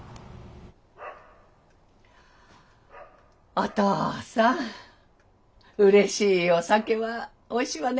お父さんうれしいお酒はおいしいわね。